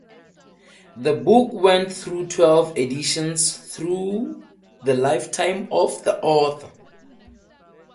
The book went through twelve editions during the lifetime of the author.